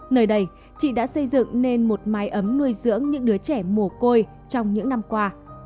nơi đây chị đã xây dựng nên một mái ấm nuôi dưỡng những đứa trẻ mồ côi trong những năm qua